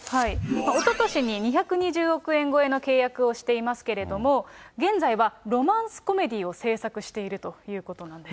おととしに２２０億円超えの契約をしていますけれども、現在はロマンスコメディーを制作しているということなんです。